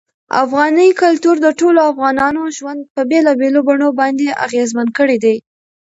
افغاني کلتور د ټولو افغانانو ژوند په بېلابېلو بڼو باندې اغېزمن کړی دی.